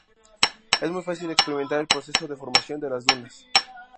Es muy fácil experimentar el proceso de formación de las dunas.